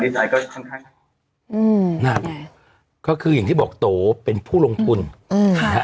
ตัวไทยก็ค่อนข้างอืมก็คืออย่างที่บอกโตเป็นผู้ลงทุนง่า